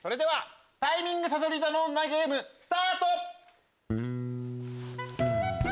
タイミングさそり座の女ゲームスタート！